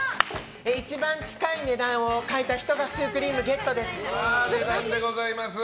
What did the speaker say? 一番近い値段を書いた人がシュークリーム、ゲットです。